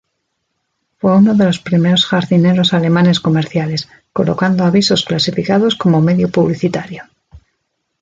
Fue uno de los primeros jardineros alemanes comerciales, colocando avisos clasificados como medio publicitario.